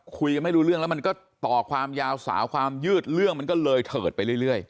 คุยกันไม่รู้เรื่องแล้วมันก็ต่อความยาวสาวความยืดเรื่องมันก็เลยเถิดไปเรื่อย